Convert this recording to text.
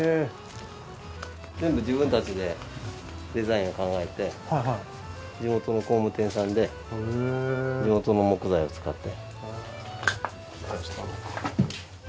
全部自分たちでデザインを考えて地元の工務店さんで地元の木材を使って。